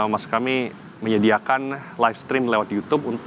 maksud kami menyediakan live stream lewat youtube